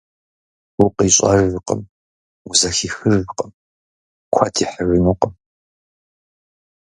УкъищӀэжкъым, узэхихыжкъым, куэд ихьыжынукъым.